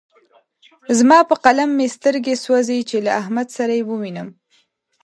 زما په قلم مې سترګې سوځې چې له احمد سره يې ووينم.